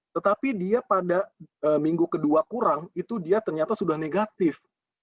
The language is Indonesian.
tetapi dia pada minggu kedua kurang itu dia ternyata sudah negatif